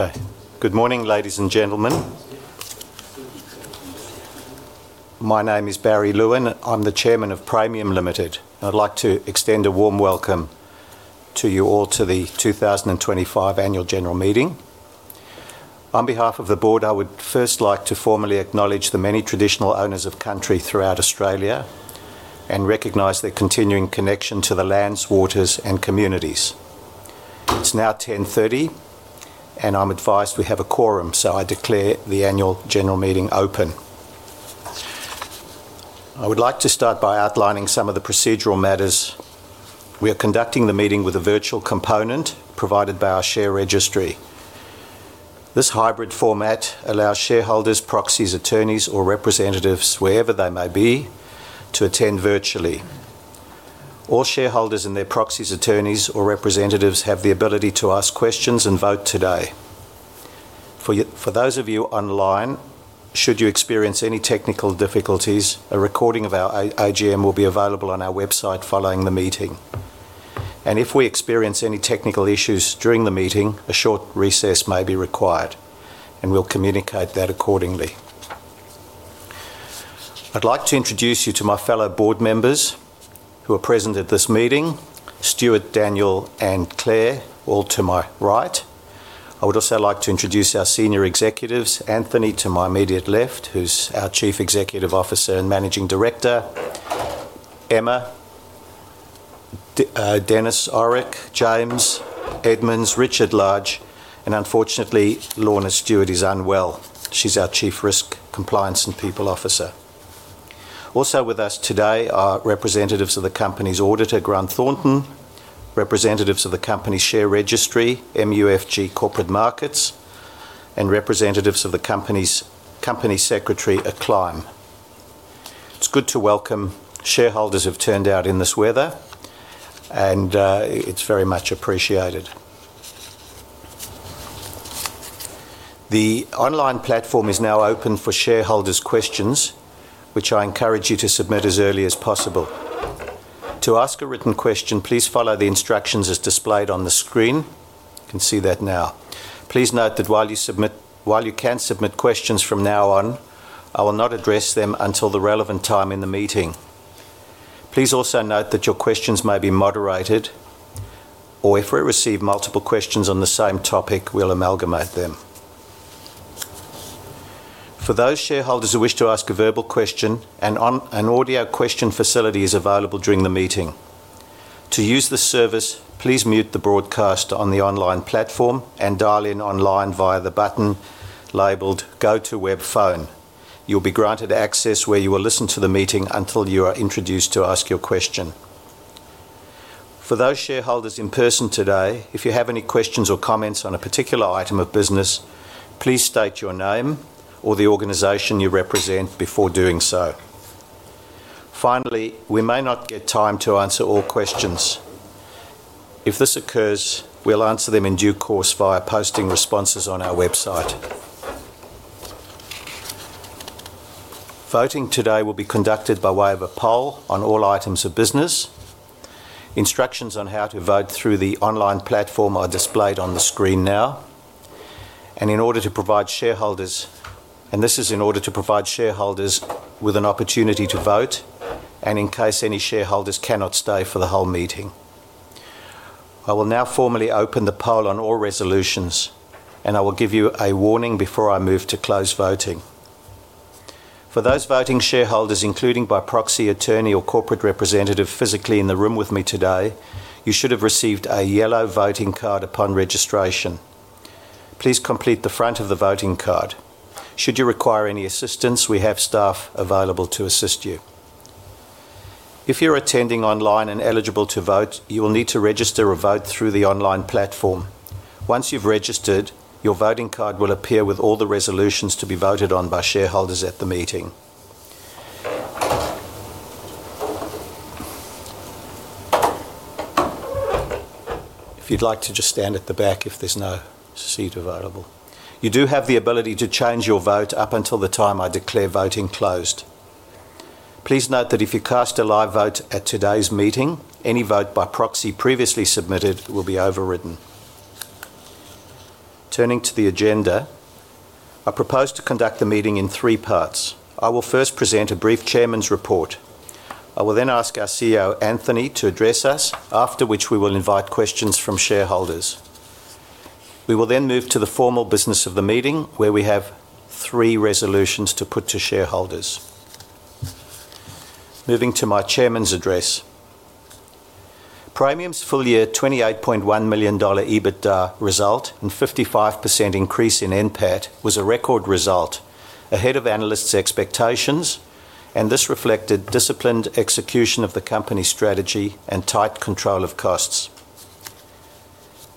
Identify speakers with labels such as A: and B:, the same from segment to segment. A: Okay. Good morning, ladies and gentlemen. My name is Barry Lewin, and I'm the Chairman of Praemium Limited. I'd like to extend a warm welcome to you all to the 2025 Annual General Meeting. On behalf of the Board, I would first like to formally acknowledge the many traditional owners of country throughout Australia and recognize their continuing connection to the lands, waters, and communities. It's now 10:30 A.M., and I'm advised we have a quorum, so I declare the Annual General Meeting open. I would like to start by outlining some of the procedural matters. We are conducting the meeting with a virtual component provided by our share registry. This hybrid format allows shareholders, proxies, attorneys, or representatives, wherever they may be, to attend virtually. All shareholders and their proxies, attorneys, or representatives have the ability to ask questions and vote today. For those of you online, should you experience any technical difficulties, a recording of our AGM will be available on our website following the meeting. If we experience any technical issues during the meeting, a short recess may be required, and we'll communicate that accordingly. I'd like to introduce you to my fellow Board members who are present at this meeting: Stuart, Daniel, and Claire, all to my right. I would also like to introduce our senior executives: Anthony to my immediate left, who's our Chief Executive Officer and Managing Director; Emma, Dennis Orrock, James Edmonds, Richard Large and unfortunately, Lorna Stewart is unwell. She's our Chief Risk, Compliance, and People Officer. Also with us today are representatives of the company's auditor, Grant Thornton, representatives of the company's share registry, MUFG Corporate Markets, and representatives of the company's company secretary, Acclime. It's good to welcome. Shareholders have turned out in this weather, and it's very much appreciated. The online platform is now open for shareholders' questions, which I encourage you to submit as early as possible. To ask a written question, please follow the instructions as displayed on the screen. You can see that now. Please note that while you can submit questions from now on, I will not address them until the relevant time in the meeting. Please also note that your questions may be moderated, or if we receive multiple questions on the same topic, we'll amalgamate them. For those shareholders who wish to ask a verbal question, an audio question facility is available during the meeting. To use the service, please mute the broadcast on the online platform and dial in online via the button labeled "Go to Web Phone." You'll be granted access where you will listen to the meeting until you are introduced to ask your question. For those shareholders in person today, if you have any questions or comments on a particular item of business, please state your name or the organization you represent before doing so. Finally, we may not get time to answer all questions. If this occurs, we'll answer them in due course via posting responses on our website. Voting today will be conducted by way of a poll on all items of business. Instructions on how to vote through the online platform are displayed on the screen now. In order to provide shareholders with an opportunity to vote, and in case any shareholders cannot stay for the whole meeting, I will now formally open the poll on all resolutions. I will give you a warning before I move to close voting. For those voting shareholders, including by proxy, attorney, or corporate representative physically in the room with me today, you should have received a yellow voting card upon registration. Please complete the front of the voting card. Should you require any assistance, we have staff available to assist you. If you're attending online and eligible to vote, you will need to register a vote through the online platform. Once you've registered, your voting card will appear with all the resolutions to be voted on by shareholders at the meeting. If you'd like to just stand at the back if there's no seat available. You do have the ability to change your vote up until the time I declare voting closed. Please note that if you cast a live vote at today's meeting, any vote by proxy previously submitted will be overridden. Turning to the agenda, I propose to conduct the meeting in three parts. I will first present a brief Chairman's Report. I will then ask our CEO, Anthony, to address us, after which we will invite questions from shareholders. We will then move to the formal business of the meeting, where we have three resolutions to put to shareholders. Moving to my Chairman's Address. Praemium's full-year 28.1 million dollar EBITDA result and 55% increase in NPAT was a record result ahead of analysts' expectations, and this reflected disciplined execution of the company strategy and tight control of costs.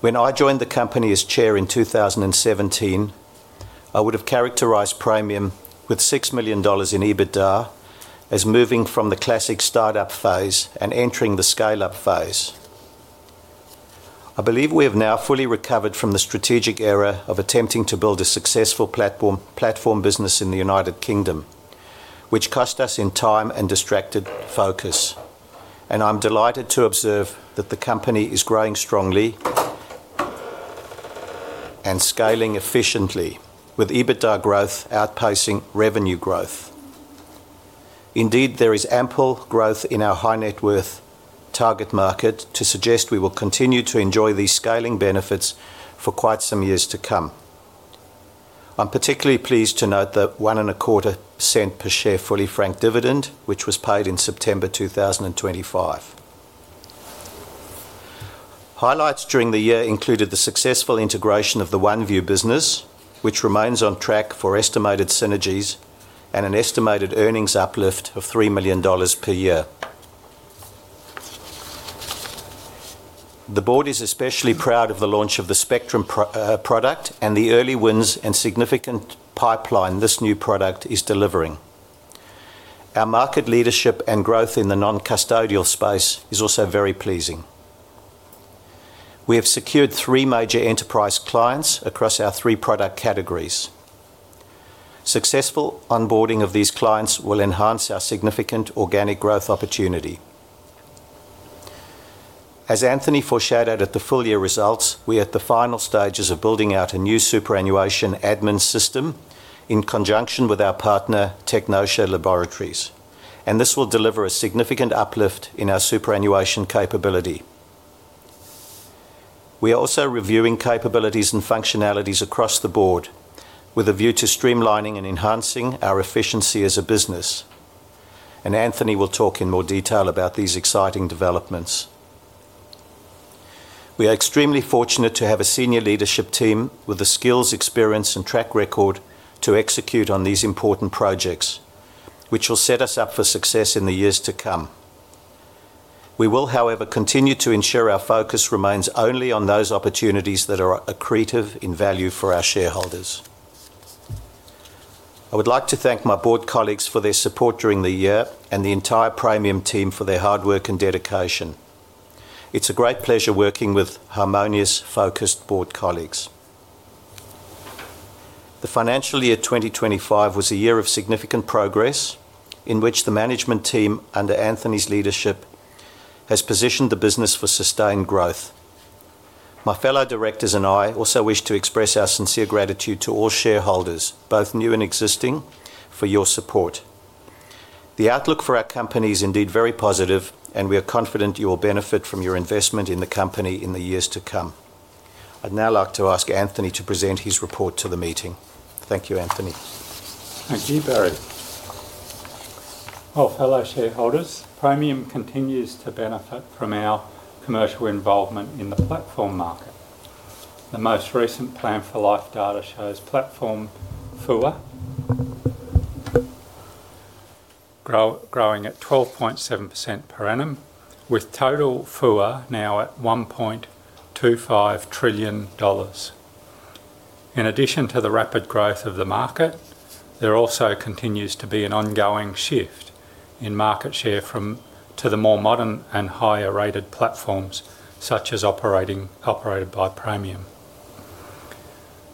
A: When I joined the company as Chair in 2017, I would have characterized Praemium with 6 million dollars in EBITDA as moving from the classic start-up phase and entering the scale-up phase. I believe we have now fully recovered from the strategic era of attempting to build a successful platform business in the United Kingdom which cost us in time and distracted focus. I am delighted to observe that the company is growing strongly and scaling efficiently, with EBITDA growth outpacing revenue growth. Indeed, there is ample growth in our high-net-worth target market to suggest we will continue to enjoy these scaling benefits for quite some years to come. I am particularly pleased to note the 1.25% per share fully-franked dividend, which was paid in September 2025. Highlights during the year included the successful integration of the OneView business, which remains on track for estimated synergies and an estimated earnings uplift of 3 million dollars per year. The Board is especially proud of the launch of the Spectrum product and the early wins and significant pipeline this new product is delivering. Our market leadership and growth in the non-custodial space is also very pleasing. We have secured three major enterprise clients across our three product categories. Successful onboarding of these clients will enhance our significant organic growth opportunity. As Anthony foreshadowed at the full-year results, we are at the final stages of building out a new superannuation admin system in conjunction with our partner, Technotia Laboratories, and this will deliver a significant uplift in our superannuation capability. We are also reviewing capabilities and functionalities across the Board with a view to streamlining and enhancing our efficiency as a business, and Anthony will talk in more detail about these exciting developments. We are extremely fortunate to have a senior leadership team with the skills, experience, and track record to execute on these important projects, which will set us up for success in the years to come. We will, however, continue to ensure our focus remains only on those opportunities that are accretive in value for our shareholders. I would like to thank my Board colleagues for their support during the year and the entire Praemium team for their hard work and dedication. It's a great pleasure working with harmonious, focused Board colleagues. The financial year 2025 was a year of significant progress in which the management team under Anthony's leadership has positioned the business for sustained growth. My fellow directors and I also wish to express our sincere gratitude to all shareholders, both new and existing, for your support. The outlook for our company is indeed very positive, and we are confident you will benefit from your investment in the company in the years to come. I'd now like to ask Anthony to present his report to the meeting. Thank you, Anthony.
B: Thank you, Barry. Fellow shareholders, Praemium continues to benefit from our commercial involvement in the platform market. The most recent Plan for Life data shows platform FUA growing at 12.7% per annum, with total FUA now at 1.25 trillion dollars. In addition to the rapid growth of the market, there also continues to be an ongoing shift in market share to the more modern and higher-rated platforms such as operated by Praemium.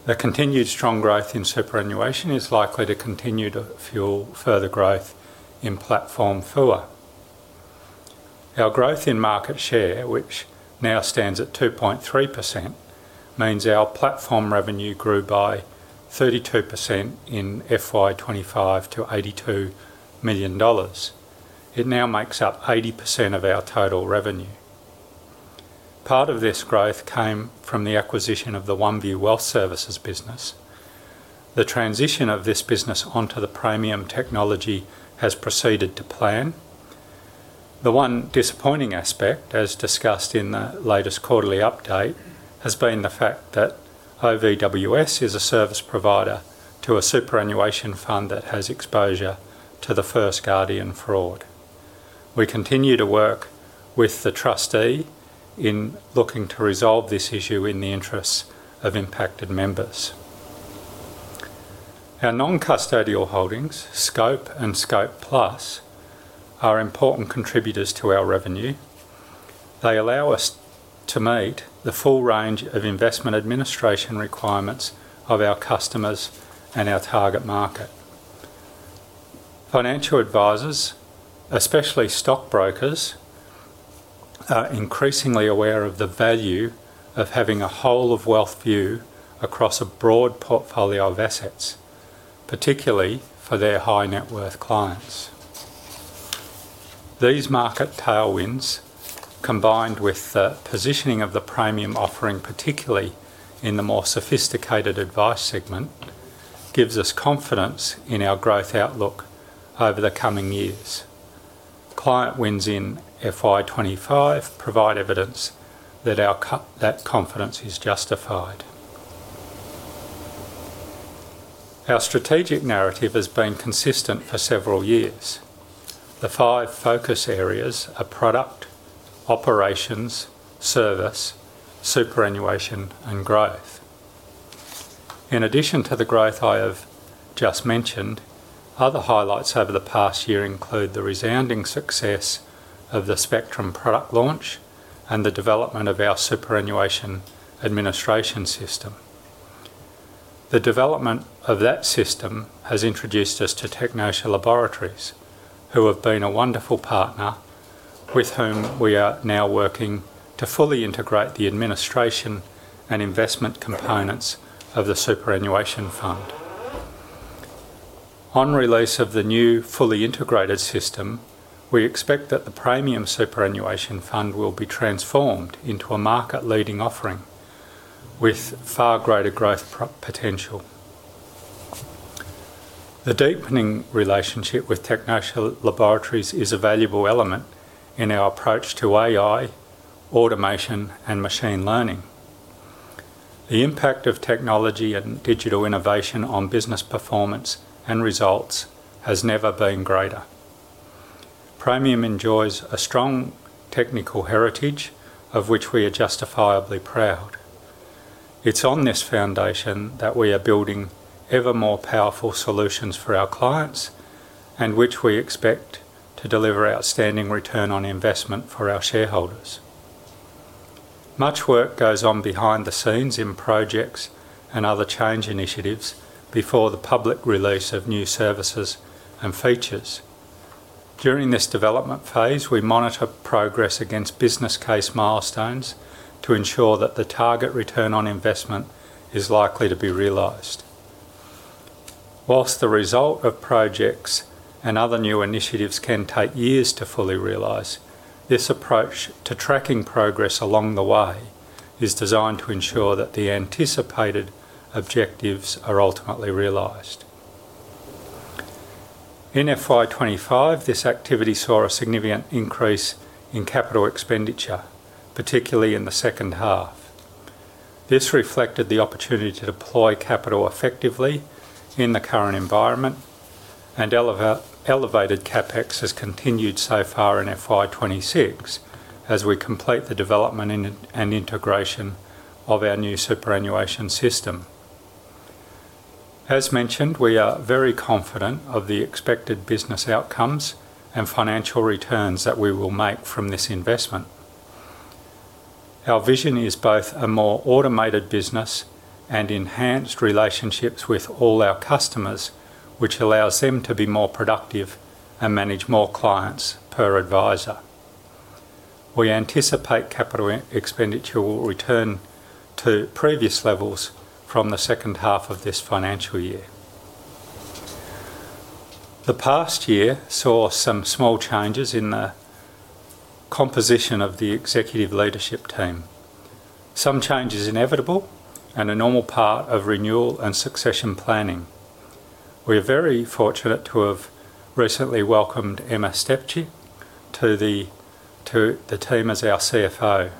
B: The continued strong growth in superannuation is likely to continue to fuel further growth in platform FUA. Our growth in market share, which now stands at 2.3%, means our platform revenue grew by 32% in FY 2025 to 82 million dollars. It now makes up 80% of our total revenue. Part of this growth came from the acquisition of the OneView Wealth Services business. The transition of this business onto the Praemium technology has proceeded to plan. The one disappointing aspect, as discussed in the latest quarterly update, has been the fact that OVWS is a service provider to a superannuation fund that has exposure to the First Guardian fraud. We continue to work with the trustee in looking to resolve this issue in the interests of impacted members. Our non-custodial holdings, Scope and Scope Plus, are important contributors to our revenue. They allow us to meet the full range of investment administration requirements of our customers and our target market. Financial advisors, especially stock brokers, are increasingly aware of the value of having a whole-of-wealth view across a broad portfolio of assets, particularly for their high-net-worth clients. These market tailwinds, combined with the positioning of the Praemium offering particularly in the more sophisticated advice segment, give us confidence in our growth outlook over the coming years. Client wins in FY 2025 provide evidence that confidence is justified. Our strategic narrative has been consistent for several years. The five focus areas are product, operations, service, superannuation, and growth. In addition to the growth I have just mentioned, other highlights over the past year include the resounding success of the Spectrum product launch and the development of our superannuation administration system. The development of that system has introduced us to Technotia Laboratories, who have been a wonderful partner with whom we are now working to fully integrate the administration and investment components of the superannuation fund. On release of the new fully integrated system, we expect that the Praemium superannuation fund will be transformed into a market-leading offering with far greater growth potential. The deepening relationship with Technotia Laboratories is a valuable element in our approach to AI, automation, and machine learning. The impact of technology and digital innovation on business performance and results has never been greater. Praemium enjoys a strong technical heritage of which we are justifiably proud. It's on this foundation that we are building ever more powerful solutions for our clients and which we expect to deliver outstanding return on investment for our shareholders. Much work goes on behind the scenes in projects and other change initiatives before the public release of new services and features. During this development phase, we monitor progress against business case milestones to ensure that the target return on investment is likely to be realized. Whilst the result of projects and other new initiatives can take years to fully realize, this approach to tracking progress along the way is designed to ensure that the anticipated objectives are ultimately realized. In FY 2025, this activity saw a significant increase in capital expenditure, particularly in the second half. This reflected the opportunity to deploy capital effectively in the current environment and elevated CapEx has continued so far in FY 2026 as we complete the development and integration of our new superannuation system. As mentioned, we are very confident of the expected business outcomes and financial returns that we will make from this investment. Our vision is both a more automated business and enhanced relationships with all our customers, which allows them to be more productive and manage more clients per advisor. We anticipate capital expenditure will return to previous levels from the second half of this financial year. The past year saw some small changes in the composition of the executive leadership team. Some changes inevitable and a normal part of renewal and succession planning. We are very fortunate to have recently welcomed Emma Stepcic to the team as our CFO.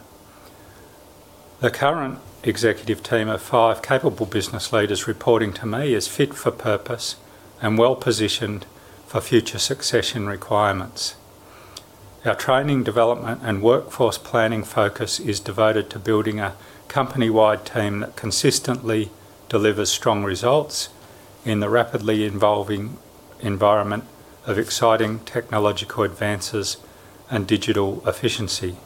B: The current executive team of five capable business leaders reporting to me is fit for purpose and well-positioned for future succession requirements. Our training, development, and workforce planning focus is devoted to building a company-wide team that consistently delivers strong results in the rapidly evolving environment of exciting technological advances and digital efficiency.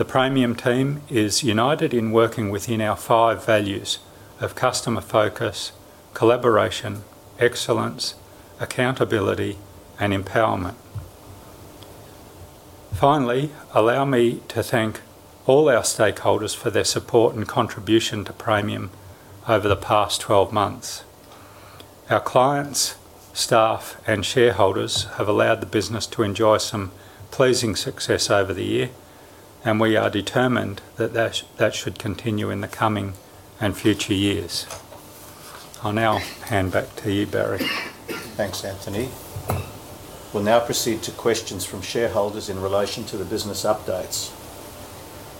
B: The Praemium team is united in working within our five values of customer focus, collaboration, excellence, accountability, and empowerment. Finally, allow me to thank all our stakeholders for their support and contribution to Praemium over the past 12 months. Our clients, staff, and shareholders have allowed the business to enjoy some pleasing success over the year, and we are determined that that should continue in the coming and future years. I'll now hand back to you, Barry.
A: Thanks, Anthony. We'll now proceed to questions from shareholders in relation to the business updates.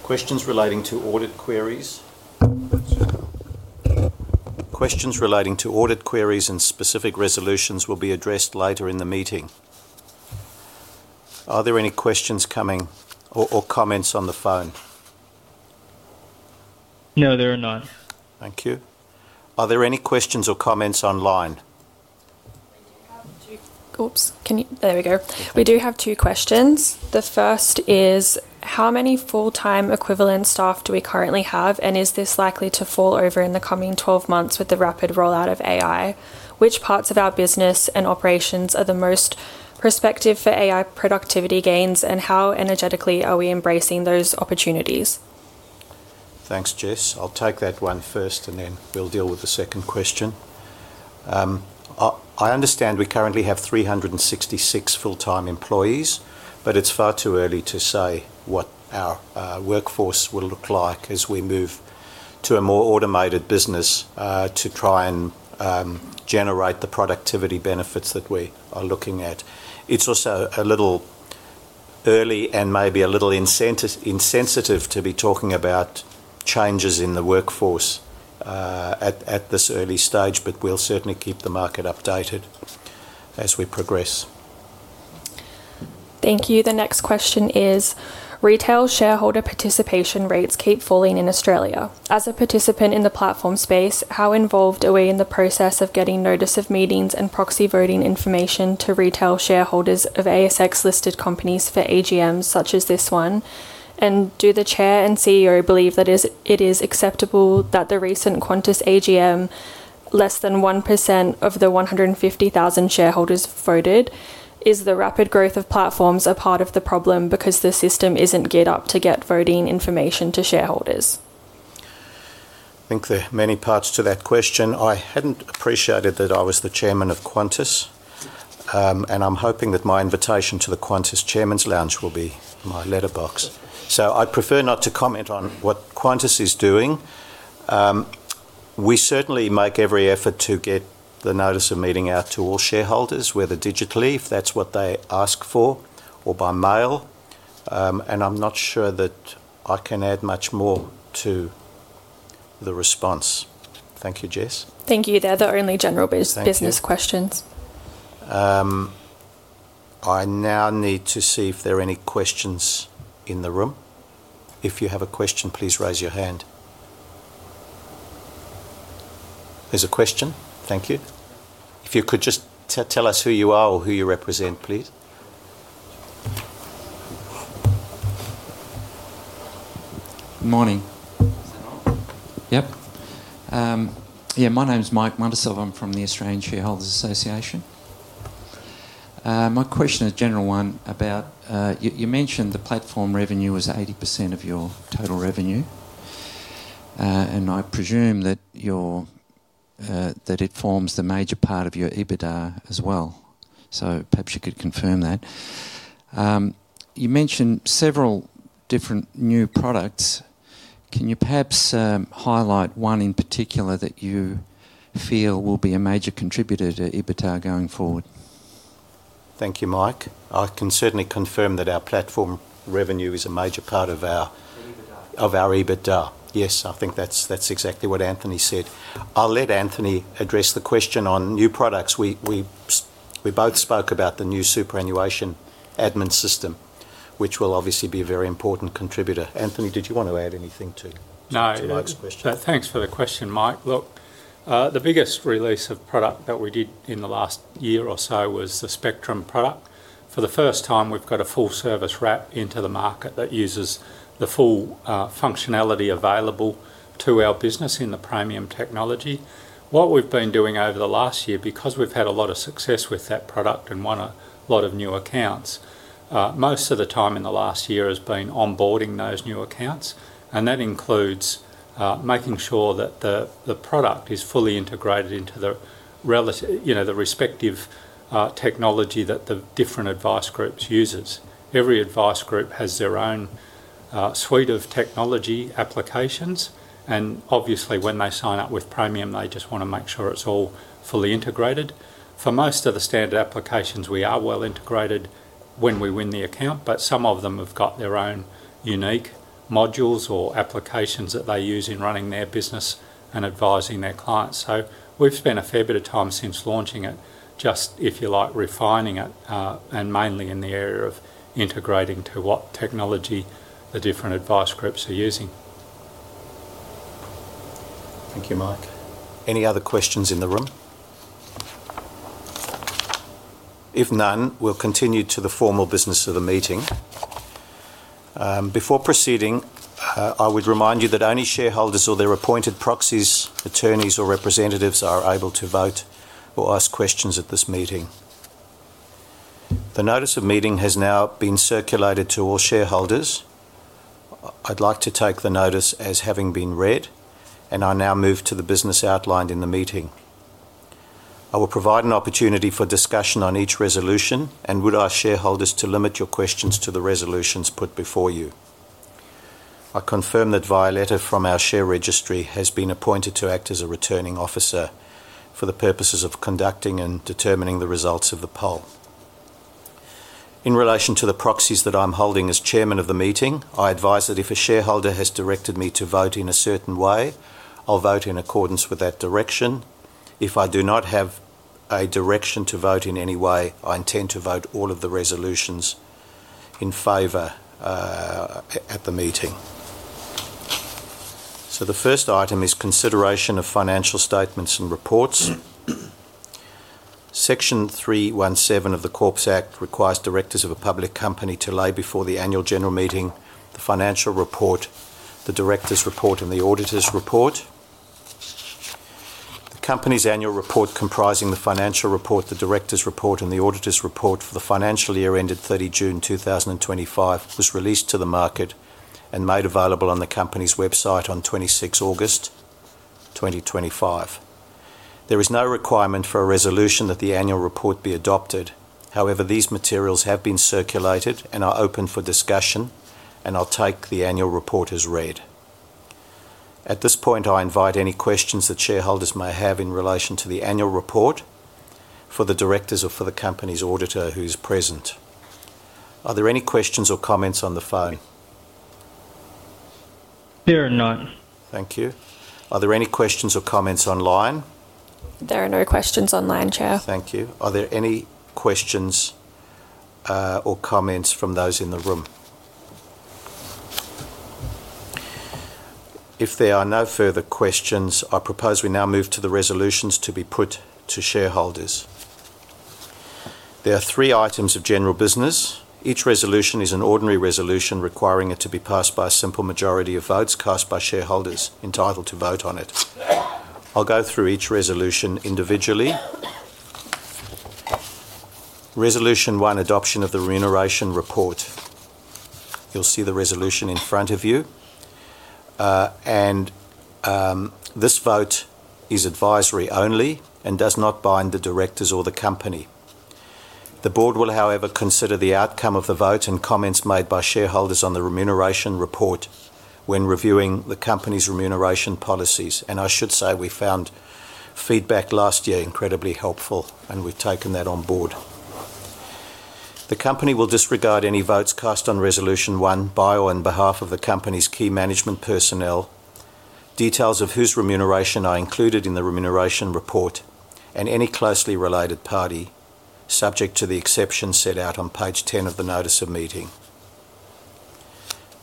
A: Questions relating to audit queries and specific resolutions will be addressed later in the meeting. Are there any questions coming or comments on the phone?
C: No, there are not.
B: Thank you. Are there any questions or comments online?
D: Oops. There we go. We do have two questions. The first is, how many full-time equivalent staff do we currently have, and is this likely to fall over in the coming 12 months with the rapid rollout of AI? Which parts of our business and operations are the most prospective for AI productivity gains, and how energetically are we embracing those opportunities?
A: Thanks, Jess. I'll take that one first, and then we'll deal with the second question. I understand we currently have 366 full-time employees, but it's far too early to say what our workforce will look like as we move to a more automated business to try and generate the productivity benefits that we are looking at. It's also a little early and maybe a little insensitive to be talking about changes in the workforce at this early stage, but we'll certainly keep the market updated as we progress.
D: Thank you. The next question is, retail shareholder participation rates keep falling in Australia. As a participant in the platform space, how involved are we in the process of getting notice of meetings and proxy voting information to retail shareholders of ASX-listed companies for AGMs such as this one? Do the Chair and CEO believe that it is acceptable that the recent Qantas AGM, less than 1% of the 150,000 shareholders voted? Is the rapid growth of platforms a part of the problem because the system isn't geared up to get voting information to shareholders?
A: I think there are many parts to that question. I hadn't appreciated that I was the chairman of Qantas, and I'm hoping that my invitation to the Qantas Chairman's Lounge will be in my letterbox. I would prefer not to comment on what Qantas is doing. We certainly make every effort to get the notice of meeting out to all shareholders, whether digitally, if that's what they ask for, or by mail. I am not sure that I can add much more to the response. Thank you, Jess.
D: Thank you. They're the only general business questions.
A: Thank you. I now need to see if there are any questions in the room. If you have a question, please raise your hand. There's a question. Thank you. If you could just tell us who you are or who you represent, please.
E: Good morning. Yeah, my name's Mike Muntisov. I'm from the Australian Shareholders Association. My question is a general one about you mentioned the platform revenue was 80% of your total revenue, and I presume that it forms the major part of your EBITDA as well. So perhaps you could confirm that. You mentioned several different new products. Can you perhaps highlight one in particular that you feel will be a major contributor to EBITDA going forward?
A: Thank you, Mike. I can certainly confirm that our platform revenue is a major part of our EBITDA. Yes, I think that's exactly what Anthony said. I'll let Anthony address the question on new products. We both spoke about the new superannuation admin system, which will obviously be a very important contributor. Anthony, did you want to add anything to Mike's question?
B: Thanks for the question, Mike. Look, the biggest release of product that we did in the last year or so was the Spectrum product. For the first time, we've got a full-service wrap into the market that uses the full functionality available to our business in the Praemium technology. What we've been doing over the last year, because we've had a lot of success with that product and won a lot of new accounts, most of the time in the last year has been onboarding those new accounts. That includes making sure that the product is fully integrated into the respective technology that the different advice groups use. Every advice group has their own suite of technology applications. Obviously, when they sign up with Praemium, they just want to make sure it's all fully integrated. For most of the standard applications, we are well integrated when we win the account, but some of them have got their own unique modules or applications that they use in running their business and advising their clients. We have spent a fair bit of time since launching it, just, if you like, refining it, and mainly in the area of integrating to what technology the different advice groups are using.
A: Thank you, Mike. Any other questions in the room? If none, we'll continue to the formal business of the meeting. Before proceeding, I would remind you that only shareholders or their appointed proxies, attorneys, or representatives are able to vote or ask questions at this meeting. The notice of meeting has now been circulated to all shareholders. I'd like to take the notice as having been read, and I now move to the business outlined in the meeting. I will provide an opportunity for discussion on each resolution and would ask shareholders to limit your questions to the resolutions put before you. I confirm that Violetta from our share registry has been appointed to act as a returning officer for the purposes of conducting and determining the results of the poll. In relation to the proxies that I'm holding as Chairman of the meeting, I advise that if a shareholder has directed me to vote in a certain way, I'll vote in accordance with that direction. If I do not have a direction to vote in any way, I intend to vote all of the resolutions in favor at the meeting. The first item is consideration of financial statements and reports. Section 317 of the Corps Act requires directors of a public company to lay before the annual general meeting the financial report, the director's report, and the auditor's report. The company's annual report comprising the financial report, the director's report, and the auditor's report for the financial year ended 30 June 2025 was released to the market and made available on the company's website on 26 August 2025. There is no requirement for a resolution that the annual report be adopted. However, these materials have been circulated and are open for discussion, and I'll take the annual report as read. At this point, I invite any questions that shareholders may have in relation to the annual report for the directors or for the company's auditor who's present. Are there any questions or comments on the phone?
C: There are not.
A: Thank you. Are there any questions or comments online?
D: There are no questions online, Chair.
A: Thank you. Are there any questions or comments from those in the room? If there are no further questions, I propose we now move to the resolutions to be put to shareholders. There are three items of general business. Each resolution is an ordinary resolution requiring it to be passed by a simple majority of votes cast by shareholders entitled to vote on it. I'll go through each resolution individually. Resolution One, adoption of the remuneration report. You'll see the resolution in front of you. This vote is advisory only and does not bind the directors or the company. The board will, however, consider the outcome of the vote and comments made by shareholders on the remuneration report when reviewing the company's remuneration policies. I should say we found feedback last year incredibly helpful, and we've taken that on board. The company will disregard any votes cast on Resolution One by or on behalf of the company's key management personnel. Details of whose remuneration are included in the remuneration report and any closely related party, subject to the exception set out on page 10 of the notice of meeting.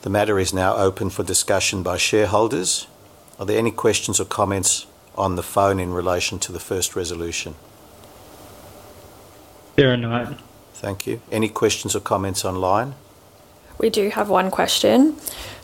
A: The matter is now open for discussion by shareholders. Are there any questions or comments on the phone in relation to the first resolution?
C: There are not.
B: Thank you. Any questions or comments online?
C: We do have one question.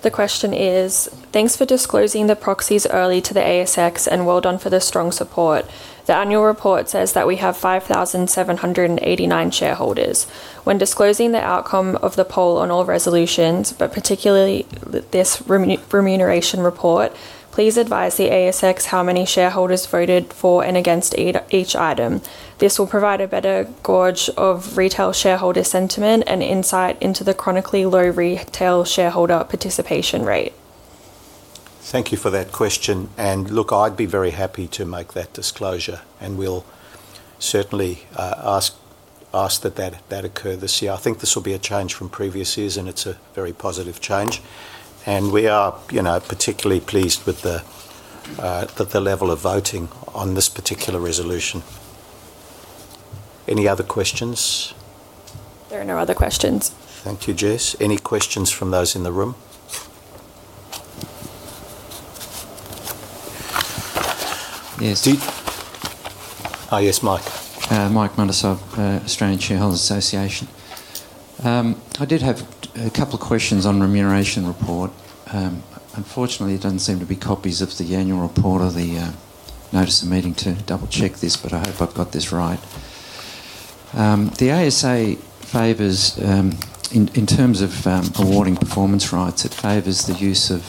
C: The question is, "Thanks for disclosing the proxies early to the ASX and well done for the strong support. The annual report says that we have 5,789 shareholders. When disclosing the outcome of the poll on all resolutions, but particularly this remuneration report, please advise the ASX how many shareholders voted for and against each item. This will provide a better gauge of retail shareholder sentiment and insight into the chronically low retail shareholder participation rate.
A: Thank you for that question. I would be very happy to make that disclosure, and we will certainly ask that that occur this year. I think this will be a change from previous years, and it is a very positive change. We are particularly pleased with the level of voting on this particular resolution. Any other questions?
D: There are no other questions.
A: Thank you, Jess. Any questions from those in the room?
E: Oh, yes, Mike. I did have a couple of questions on remuneration report. Unfortunately, there doesn't seem to be copies of the annual report or the notice of meeting to double-check this, but I hope I've got this right. The ASA favors in terms of awarding performance rights, it favors the use of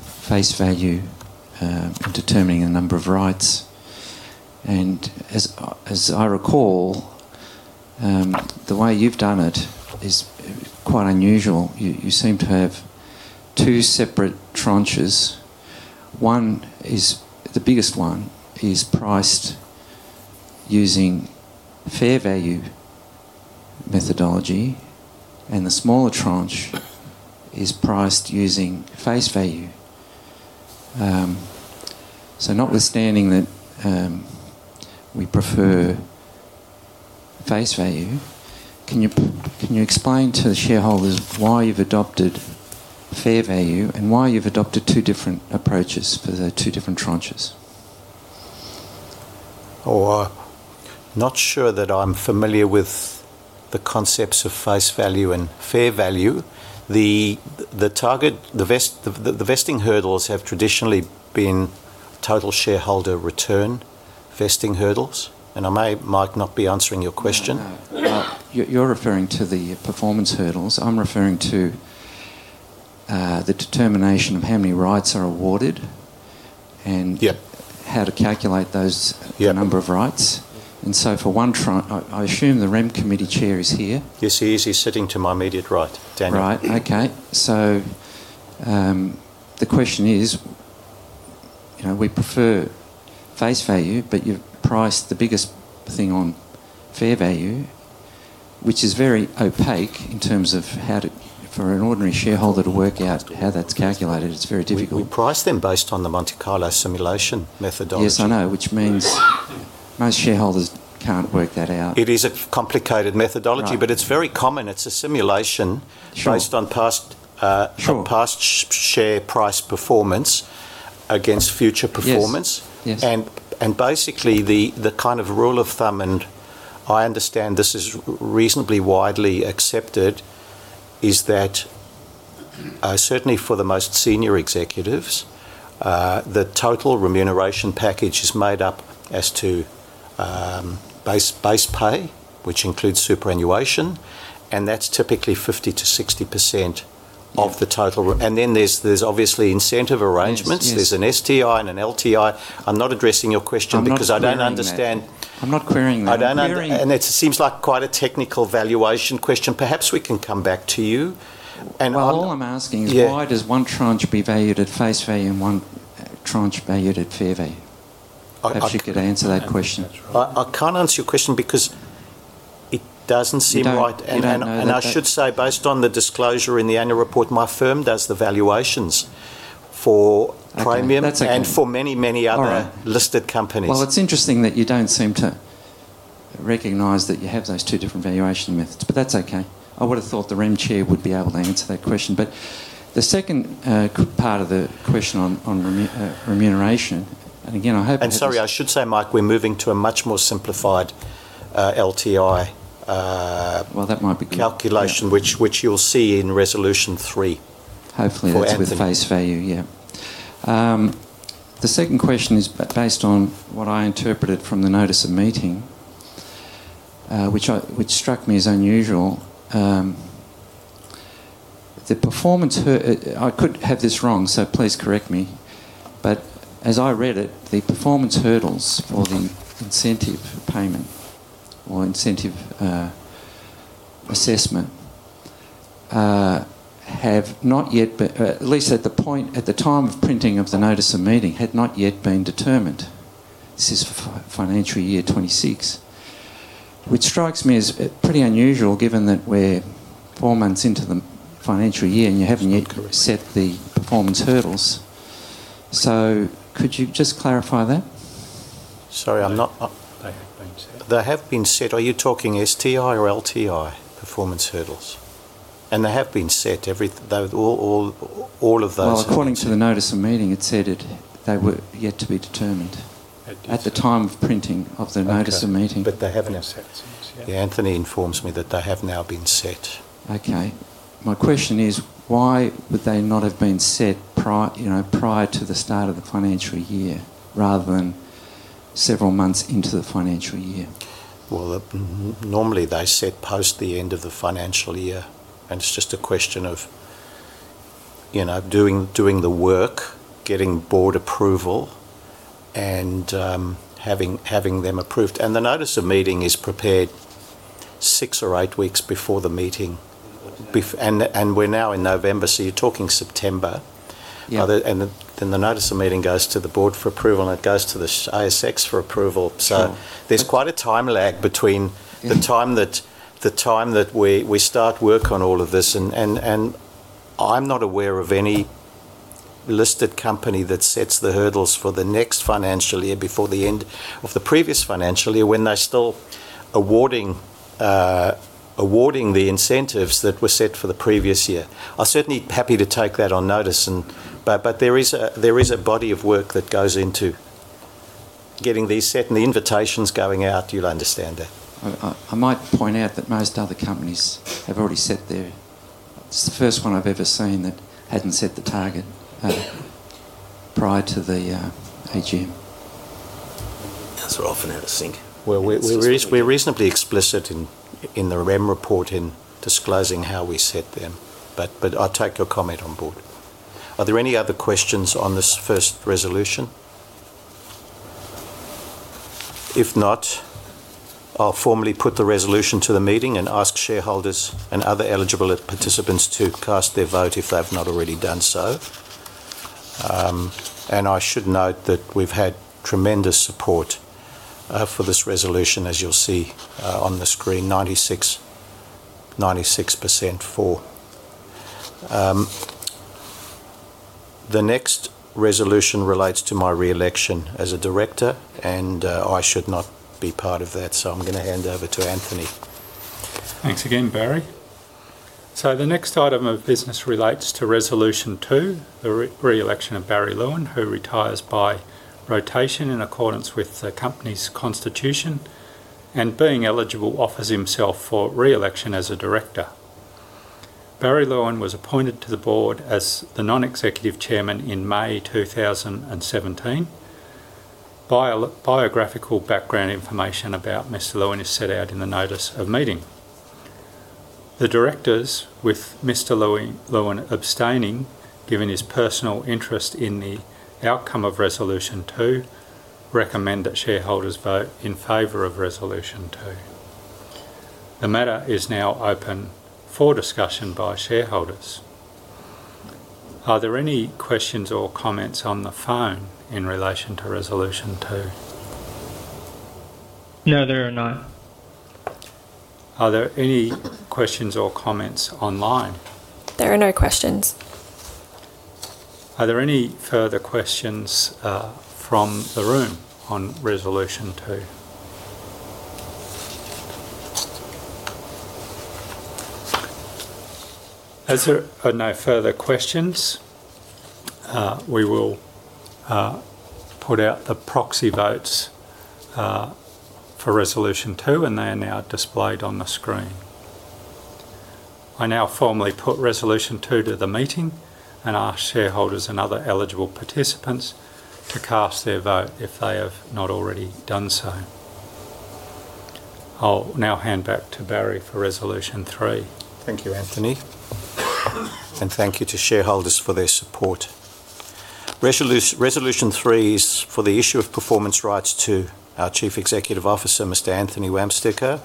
E: face value in determining the number of rights. As I recall, the way you've done it is quite unusual. You seem to have two separate tranches. The biggest one is priced using fair value methodology, and the smaller tranche is priced using face value. Notwithstanding that we prefer face value, can you explain to the shareholders why you've adopted fair value and why you've adopted two different approaches for the two different tranches?
A: Oh, I'm not sure that I'm familiar with the concepts of face value and fair value. The vesting hurdles have traditionally been total shareholder return vesting hurdles. I may, Mike, not be answering your question.
E: You're referring to the performance hurdles. I'm referring to the determination of how many rights are awarded and how to calculate the number of rights. For one tranche, I assume the REM committee chair is here.
A: Yes, he is. He's sitting to my immediate right, Daniel.
E: Right. Okay. The question is, we prefer face value, but you've priced the biggest thing on fair value, which is very opaque in terms of how, for an ordinary shareholder, to work out how that's calculated. It's very difficult.
A: We price them based on the Monte Carlo simulation methodology.
E: Yes, I know, which means most shareholders can't work that out.
A: It is a complicated methodology, but it's very common. It's a simulation based on past share price performance against future performance. Basically, the kind of rule of thumb, and I understand this is reasonably widely accepted, is that certainly for the most senior executives, the total remuneration package is made up as to base pay, which includes superannuation, and that's typically 50%-60% of the total. Then there's obviously incentive arrangements. There's an STI and an LTI. I'm not addressing your question because I don't understand.
E: I'm not querying that.
B: It seems like quite a technical valuation question. Perhaps we can come back to you.
E: All I'm asking is, why does one tranche be valued at face value and one tranche valued at fair value? If you could answer that question.
A: I can't answer your question because it doesn't seem right. I should say, based on the disclosure in the annual report, my firm does the valuations for Praemium and for many, many other listed companies.
E: It's interesting that you don't seem to recognize that you have those two different valuation methods, but that's okay. I would have thought the REM chair would be able to answer that question. The second part of the question on remuneration, and again, I hope we're.
A: Sorry, I should say, Mike, we're moving to a much more simplified LTI.
E: That might be good.
A: Calculation, which you'll see in resolution three.
E: Hopefully, that's with face value. Yeah. The second question is based on what I interpreted from the notice of meeting, which struck me as unusual. I could have this wrong, so please correct me. As I read it, the performance hurdles for the incentive payment or incentive assessment have not yet, at least at the time of printing of the notice of meeting, had not yet been determined. This is for financial year 2026, which strikes me as pretty unusual given that we're four months into the financial year and you haven't yet set the performance hurdles. Could you just clarify that?
A: Sorry, I'm not.
E: They have been set.
A: They have been set. Are you talking STI or LTI performance hurdles? They have been set, all of those.
E: According to the notice of meeting, it said they were yet to be determined at the time of printing of the notice of meeting.
A: They haven't yet. Anthony informs me that they have now been set.
E: Okay. My question is, why would they not have been set prior to the start of the financial year rather than several months into the financial year?
A: Normally they set post the end of the financial year, and it's just a question of doing the work, getting board approval, and having them approved. The notice of meeting is prepared six or eight weeks before the meeting. We're now in November, so you're talking September. The notice of meeting goes to the board for approval, and it goes to the ASX for approval. There's quite a time lag between the time that we start work on all of this. I'm not aware of any listed company that sets the hurdles for the next financial year before the end of the previous financial year when they're still awarding the incentives that were set for the previous year. I'll certainly be happy to take that on notice. There is a body of work that goes into getting these set and the invitations going out. You'll understand that.
E: I might point out that most other companies have already set their—it's the first one I've ever seen that hadn't set the target prior to the AGM.
A: Those are often out of sync. We're reasonably explicit in the REM report in disclosing how we set them, but I'll take your comment on board. Are there any other questions on this first resolution? If not, I'll formally put the resolution to the meeting and ask shareholders and other eligible participants to cast their vote if they've not already done so. I should note that we've had tremendous support for this resolution, as you'll see on the screen, 96% for. The next resolution relates to my re-election as a director, and I should not be part of that, so I'm going to hand over to Anthony.
B: Thanks again, Barry. The next item of business relates to resolution two, the re-election of Barry Lewin, who retires by rotation in accordance with the company's constitution and, being eligible, offers himself for re-election as a director. Barry Lewin was appointed to the board as the Non-Executive Chairman in May 2017. Biographical background information about Mr. Lewin is set out in the notice of meeting. The directors, with Mr. Lewin abstaining given his personal interest in the outcome of resolution two, recommend that shareholders vote in favor of resolution two. The matter is now open for discussion by shareholders. Are there any questions or comments on the phone in relation to resolution two?
C: No, there are not.
B: Are there any questions or comments online?
D: There are no questions.
B: Are there any further questions from the room on resolution two? As there are no further questions, we will put out the proxy votes for resolution two, and they are now displayed on the screen. I now formally put resolution two to the meeting, and ask shareholders and other eligible participants to cast their vote if they have not already done so. I'll now hand back to Barry for resolution three.
A: Thank you, Anthony. Thank you to shareholders for their support. Resolution three is for the issue of performance rights to our Chief Executive Officer, Mr. Anthony Wamsteker.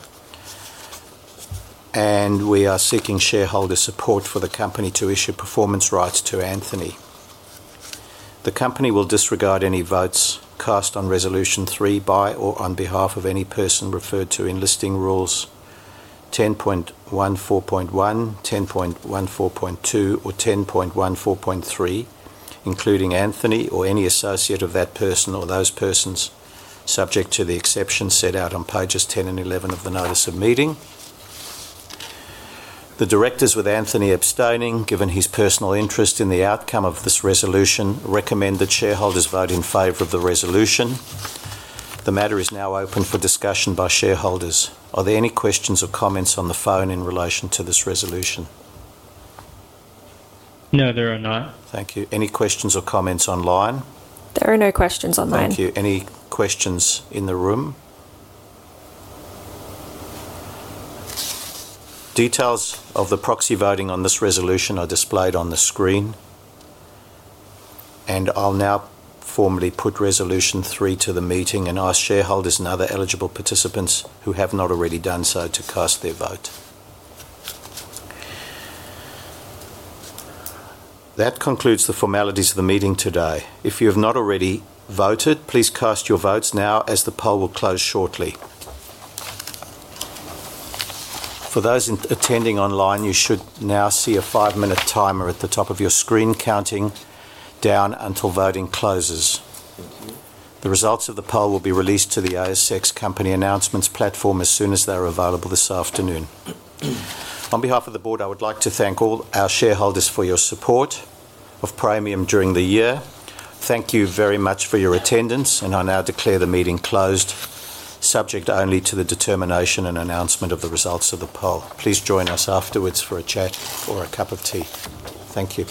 A: We are seeking shareholder support for the company to issue performance rights to Anthony. The company will disregard any votes cast on resolution three by or on behalf of any person referred to in listing rules 10.14.1, 10.14.2, or 10.14.3, including Anthony or any associate of that person or those persons, subject to the exceptions set out on pages 10 and 11 of the notice of meeting. The directors, with Anthony abstaining, given his personal interest in the outcome of this resolution, recommend that shareholders vote in favor of the resolution. The matter is now open for discussion by shareholders. Are there any questions or comments on the phone in relation to this resolution?
C: No, there are not.
B: Thank you. Any questions or comments online?
D: There are no questions online.
A: Thank you. Any questions in the room? Details of the proxy voting on this resolution are displayed on the screen. I will now formally put resolution three to the meeting, and ask shareholders and other eligible participants who have not already done so to cast their vote. That concludes the formalities of the meeting today. If you have not already voted, please cast your votes now as the poll will close shortly. For those attending online, you should now see a five-minute timer at the top of your screen counting down until voting closes. The results of the poll will be released to the ASX company announcements platform as soon as they are available this afternoon. On behalf of the board, I would like to thank all our shareholders for your support of Praemium during the year. Thank you very much for your attendance, and I now declare the meeting closed, subject only to the determination and announcement of the results of the poll. Please join us afterwards for a chat or a cup of tea. Thank you.